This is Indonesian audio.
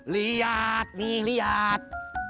liat nih liat